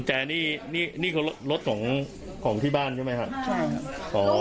กุญแจนี่นี่นี่เขารถของของที่บ้านใช่ไหมฮะใช่ครับ